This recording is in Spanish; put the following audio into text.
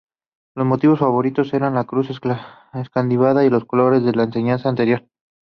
Los motivos favoritos eran la cruz Escandinava y los colores de la enseña anterior.